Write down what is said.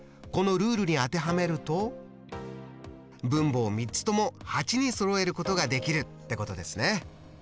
このルールに当てはめると分母を３つとも８にそろえることができるってことですね。